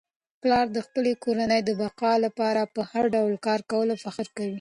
پلار د خپلې کورنی د بقا لپاره په هر ډول کار کولو فخر کوي.